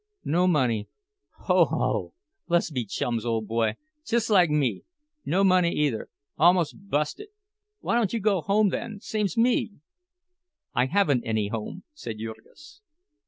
"No money! Ho, ho—less be chums, ole boy—jess like me! No money, either—a'most busted! Why don't you go home, then, same's me?" "I haven't any home," said Jurgis.